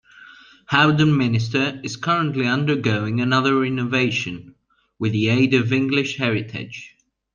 Howden Minster is currently undergoing another renovation, with the aid of English Heritage.